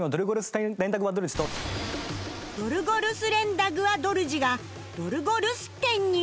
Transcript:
ドルゴルスレンダグワドルジがドルゴルステンに